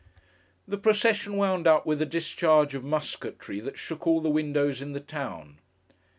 The procession wound up with a discharge of musketry that shook all the windows in the town.